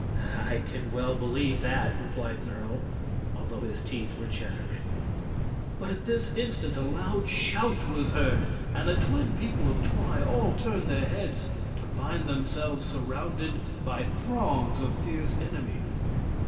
"I can well believe that," replied Nerle, although his teeth were chattering. But at this instant a loud shout was heard, and the twin people of Twi all turned their heads to find themselves surrounded by throngs of fierce enemies.